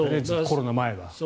コロナ前は。